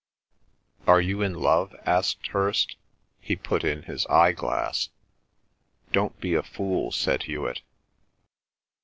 "Are you in love?" asked Hirst. He put in his eyeglass. "Don't be a fool," said Hewet.